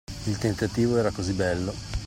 Il tentativo era così bello .